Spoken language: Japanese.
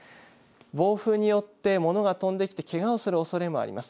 暴風によって物が飛んできてけがをするおそれもあります。